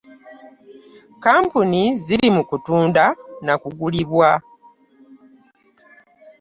Kampuni ziri mu kutunda na kugulibwa.